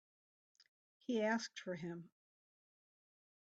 He asked for him.